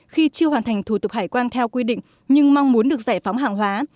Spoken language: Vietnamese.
khi chưa hoàn thành thủ tục hải quan theo quy định nhưng mong muốn được giải phóng hàng hóa